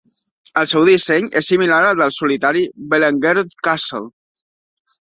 El seu disseny és similar al del solitari Beleaguered Castle.